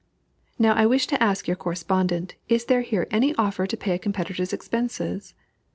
Now I wish to ask your correspondent is there here any offer to pay a competitor's expenses?